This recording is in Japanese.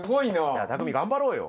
じゃあたくみ頑張ろうよ。